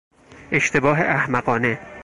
اشتباه احمقانه